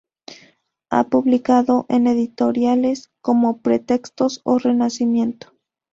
Ha publicado en editoriales como Pre-Textos o Renacimiento.